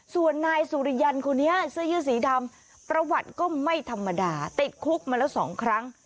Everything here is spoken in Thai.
ส่วนนายสุริยันคนนี้เสื้อยืดสีดำประวัติก็ไม่ธรรมดาติดคุกมาแล้ว๒ครั้ง